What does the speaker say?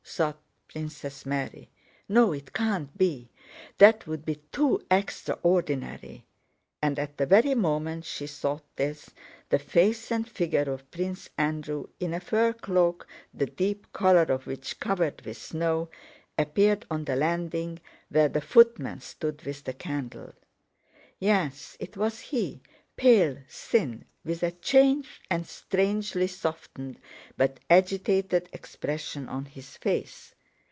thought Princess Mary. "No it can't be, that would be too extraordinary," and at the very moment she thought this, the face and figure of Prince Andrew, in a fur cloak the deep collar of which covered with snow, appeared on the landing where the footman stood with the candle. Yes, it was he, pale, thin, with a changed and strangely softened but agitated expression on his face.